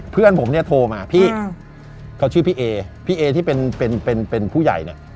เพื่อนผมโทรมาพี่ไปครับเขาชื่อพี่เอพี่เอที่เป็นผู้ใหญ่